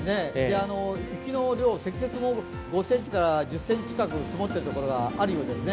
雪の量、積雪も５ｃｍから１０ｃｍ近く積もっているところがあるようですね。